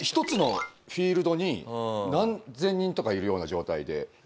１つのフィールドに何千人とかいるような状態で。